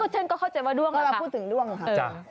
เจนท์ก็เข้าใจว่าด้วงล่ะ